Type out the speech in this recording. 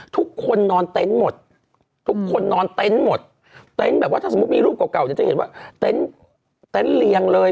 ทุกคนนอนเต็นท์หมดแบบว่าถ้าสมมติมีรูปเก่าจะเห็นว่าเต็นท์เลียงเลย